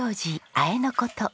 あえのこと。